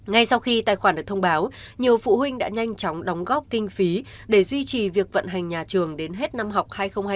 ngay sau khi tài khoản được thông báo nhiều phụ huynh đã nhanh chóng đóng góp kinh phí để duy trì việc vận hành nhà trường đến hết năm học hai nghìn hai mươi hai nghìn hai mươi